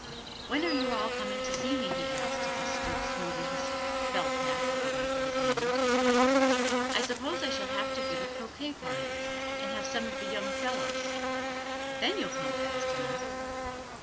'When are you all coming to see me?' he asked, as he stood smoothing his felt hat with the back of his hand. 'I suppose I shall have to give a croquet party, and have some of the young fellows, then you'll come fast enough.